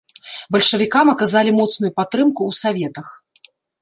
Бальшавікам аказалі моцную падтрымку ў саветах.